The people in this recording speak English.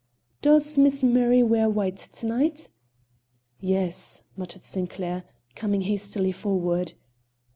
"Does Miss Murray wear white to night?" "Yes," muttered Sinclair, coming hastily forward.